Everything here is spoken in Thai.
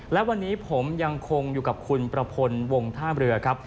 และวันนี้ผมยังคงอยู่กับคุณประพลวงท่ามเรือครับ